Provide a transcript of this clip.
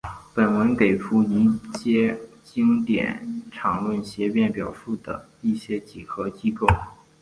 本文给出一阶经典场论的协变表述的一些几何结构。